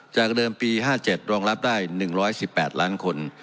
จากเดิมปี๕๗รองรับได้๑๑๘ล้านคน